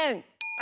あ！